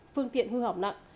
phương tiện hư hỏng nặng